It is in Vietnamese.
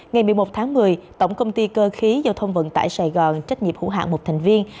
ngày một mươi một tháng một mươi tổng công ty cơ khí giao thông vận tải sài gòn trách nhiệm hữu hạng một thành viên